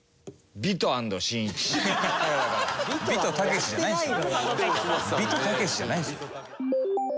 ビトタケシじゃないんですよ。